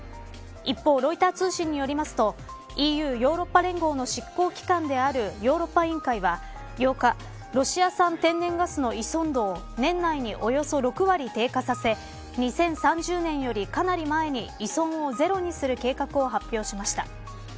一方、ロイター通信によりますとＥＵヨーロッパ連合の執行機関であるヨーロッパ委員会は８日ロシア産天然ガスの依存度を年内におよそ６割低下させ２０３０年よりかなり前に依存をゼロにする計画を発表しました。